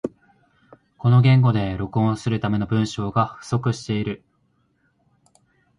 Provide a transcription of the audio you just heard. この言語で録音するための文章が不足している